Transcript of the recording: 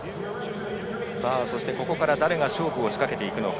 そして、ここから誰が勝負を仕掛けるか。